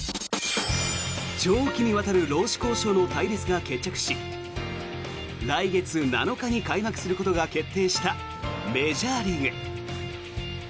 長期にわたる労使交渉の対立が決着し来月７日に開幕することが決定したメジャーリーグ。